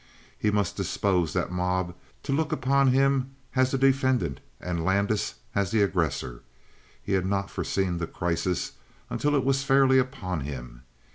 He must dispose that mob to look upon him as the defendant and Landis as the aggressor. He had not foreseen the crisis until it was fairly upon him.